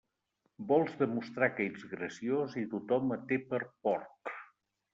Vols demostrar que ets graciós i tothom et té per porc.